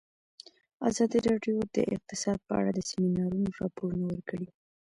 ازادي راډیو د اقتصاد په اړه د سیمینارونو راپورونه ورکړي.